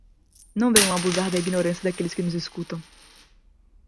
Não venham abusar da ignorância daqueles que nos escutam.